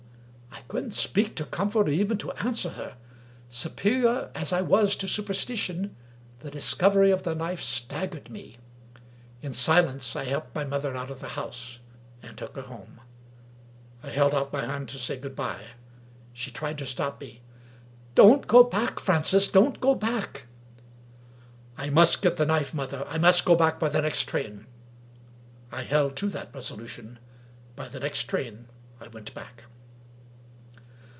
" I couldn't speak to comfort or even to answer her. Su perior as I was to superstition, the discovery of the knife staggered me. In silence, I helped my mother out of the house; and took her home. I held out my hand to say good by. She tried to stop me. "Don't go back, Francis! don't go back!" " I must get the knife, mother. I must go back by the next train." I held to that resolution. By the next train I went back.